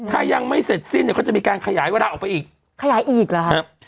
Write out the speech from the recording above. ถ้ายังไม่เสร็จสิ้นเนี่ยเขาจะมีการขยายเวลาออกไปอีกขยายอีกเหรอฮะ